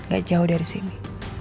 gak jauh dari sini